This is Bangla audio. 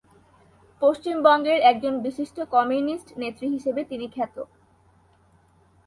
পশ্চিমবঙ্গের একজন বিশিষ্ট কমিউনিস্ট নেত্রী হিসাবে তিনি খ্যাত।